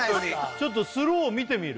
ちょっとスロー見てみる？